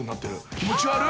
気持ち悪い！